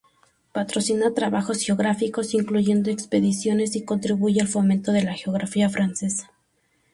Patrocina trabajos geográficos, incluyendo expediciones, y contribuye al fomento de la geografía francesa.